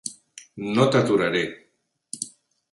No t'aturaré!